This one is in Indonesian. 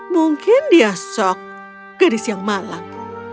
mungkin dia sok gadis yang malang